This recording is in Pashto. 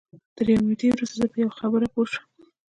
تر یوې مودې وروسته زه په یوه خبره پوه شوم